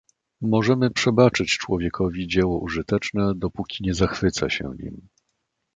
Możemy przebaczyć człowiekowi dzieło użyteczne, dopóki nie zachwyca się nim.